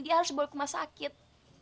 dia harus bawa ke rumah sakit